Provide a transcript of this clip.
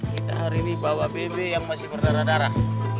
kita hari ini bawa bebek yang masih berdarah darah